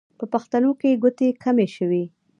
په پښتنو کې ګوتې کمې شوې.